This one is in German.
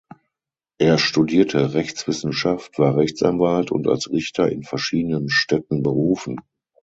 Er studierte Rechtswissenschaft, war Rechtsanwalt und als Richter in verschiedenen Städten berufen.